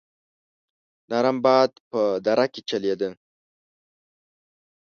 نرم باد په دره کې چلېده.